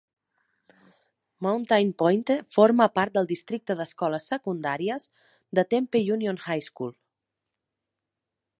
Mountain Pointe forma part del districte d'escoles secundàries de Tempe Union High School.